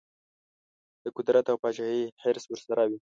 د قدرت او پاچهي حرص ورسره وي.